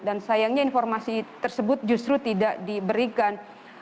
dan sayangnya informasi tersebut justru tidak diberikan